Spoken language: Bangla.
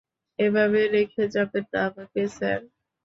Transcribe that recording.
এভাবে রেখে যাবেন না আমাকে, স্যার।